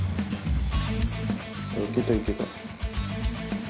いけた、いけた。